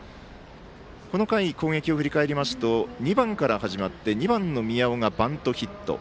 この回、攻撃を振り返りますと２番から始まって２番の宮尾がバントヒット。